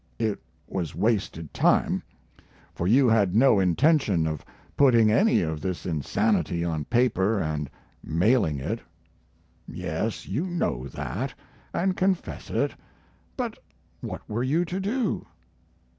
It was wasted time, for you had no intention of putting any of this insanity on paper and mailing it. Yes, you know that, and confess it but what were you to do?